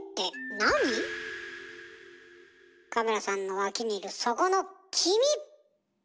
カメラさんの脇にいるそこの君！